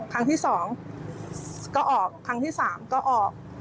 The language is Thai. ครั้งที่๒ก็ออกครั้งที่๓ก็ออก